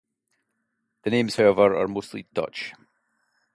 The names however are mostly Dutch.